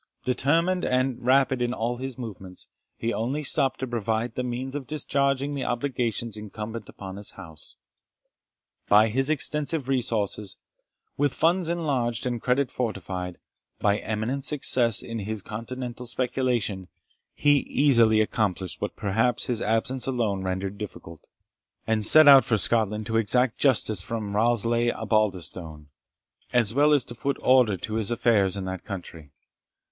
Determined and rapid in all his movements, he only stopped to provide the means of discharging the obligations incumbent on his house. By his extensive resources, with funds enlarged, and credit fortified, by eminent success in his continental speculation, he easily accomplished what perhaps his absence alone rendered difficult, and set out for Scotland to exact justice from Rashleigh Osbaldistone, as well as to put order to his affairs in that country.